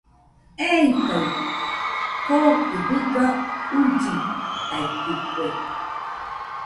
eikaɨ kookɨ dɨga uillɨtaitɨkue.